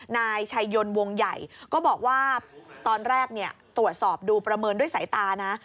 นายชัยยนต์วงใหญ่ก็บอกว่าตอนแรกตรวจสอบดูประเมินด้วยสายตานะ